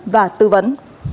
và tư vấn